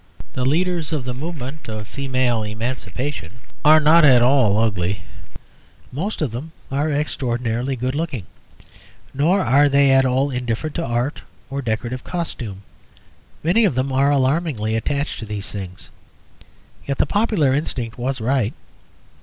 The leaders of the movement of female emancipation are not at all ugly; most of them are extraordinarily good looking. Nor are they at all indifferent to art or decorative costume; many of them are alarmingly attached to these things. Yet the popular instinct was right.